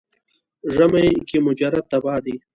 ژمي کې مجرد تبا دی.